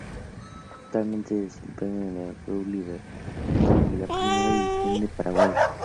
Actualmente se desempeña en el Club Libertad de la Primera División de Paraguay.